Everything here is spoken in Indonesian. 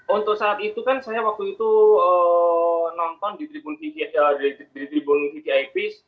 untuk saat itu kan saya waktu itu nonton di tribun vvip